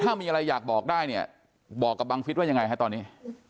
ถ้ามีอะไรอยากบอกได้เนี่ยบอกกับบังฟิศว่ายังไงฮะตอนนี้